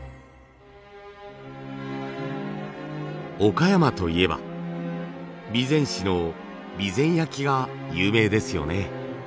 岡山といえば備前市の備前焼が有名ですよね。